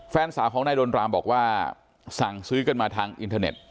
แฟนสาวของนายโดนรามบอกว่าสั่งซื้อกันมาทางอินเทอร์เน็ต